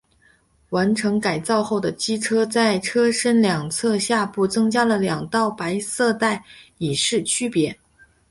完成改造后的机车在车身两侧下部增加了两道白色带以示区别。